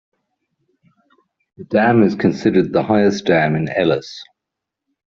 The dam is considered the highest dam in Elis.